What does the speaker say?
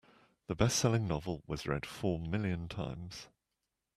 The bestselling novel was read four million times.